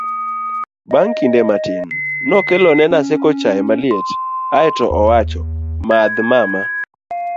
bang' kinde matin nokelo ni Naseko chaye maliet ae to owacho 'madh mama